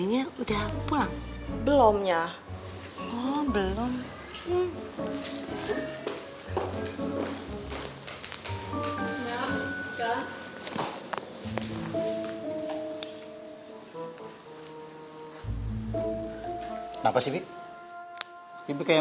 yaudah kalau gitu kita pamit ya bu ya